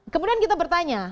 kemudian kita bertanya